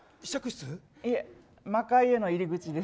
いえ、魔界への入り口です。